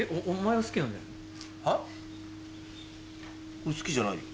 俺好きじゃないよ。